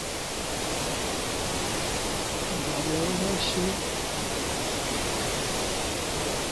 নয়